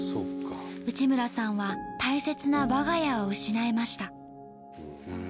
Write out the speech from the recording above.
内村さんは大切な我が家を失いました。